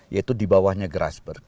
yaitu di bawahnya grasberg